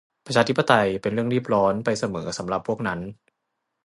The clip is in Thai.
ประชาธิปไตยเป็นเรื่องรีบร้อนไปเสมอสำหรับพวกนั้น